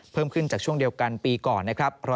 เพิ่มขึ้นจากช่วงเดียวกันปีก่อนนะครับ